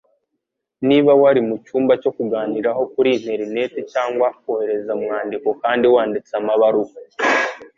Niba wari mucyumba cyo kuganiriraho kuri interineti cyangwa Kohereza Umwandiko Kandi Wanditse Amabaruwa